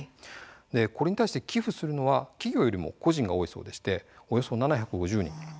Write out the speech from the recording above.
これに対して寄付するのは企業よりも個人が多いそうでしておよそ７５０人。